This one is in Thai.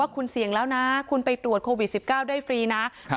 ว่าคุณเสียงแล้วนะคุณไปตรวจโควิดสิบเก้าได้ฟรีนะครับ